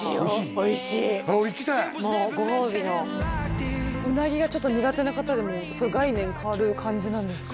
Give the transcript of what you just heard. おいしいあっ俺行きたいもうご褒美のウナギがちょっと苦手な方でも概念変わる感じなんですか？